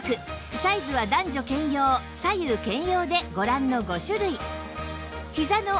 サイズは男女兼用・左右兼用でご覧の５種類